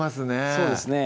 そうですね